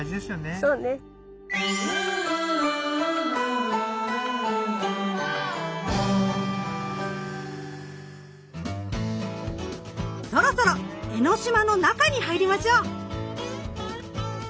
そろそろ江の島の中に入りましょう！